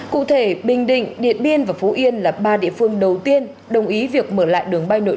cụ thể bình định điện biên và phú yên là ba địa phương đầu tiên đồng ý việc mở lại đường bay nội